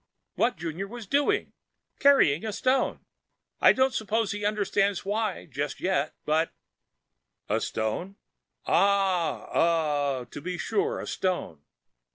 "What Junior was doing ... carrying a stone. I don't suppose he understands why, just yet, but...." "A stone? Ah, uh, to be sure, a stone.